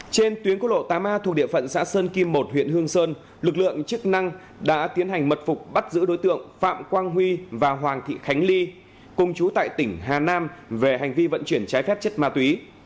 trên tuyến quốc lộ tám a thuộc địa phận xã sơn kim một huyện hương sơn lực lượng chức năng đã tiến hành mật phục bắt giữ đối tượng phạm quang huy và hoàng thị khánh ly cùng chú tại tỉnh hà nam về hành vi vận chuyển trái phép chất ma túy